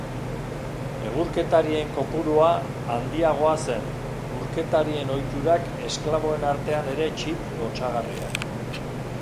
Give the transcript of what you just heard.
Egurketarien kopurua handiagoa zen, urketarien ohiturak esklaboen artean ere txit lotsagarriak.